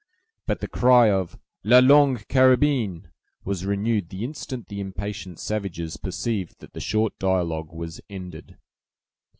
But the cry of "La Longue Carabine" was renewed the instant the impatient savages perceived that the short dialogue was ended.